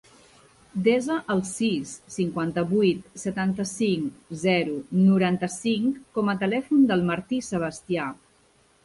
Desa el sis, cinquanta-vuit, setanta-cinc, zero, noranta-cinc com a telèfon del Martí Sebastia.